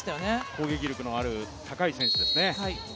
攻撃力のある、高い選手ですね。